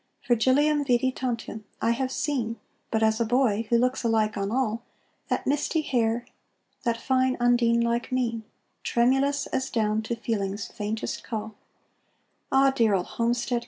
Virgilium vidi tantum, I have seen But as a boy, who looks alike on all, That misty hair, that fine Undine like mien, Tremulous as down to feeling's faintest call; Ah, dear old homestead!